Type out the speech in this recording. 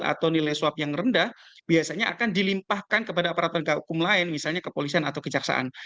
atau nilai suap yang rendah biasanya akan dilimpahkan kepada aparat penegak hukum lain misalnya kepolisian atau kejaksaan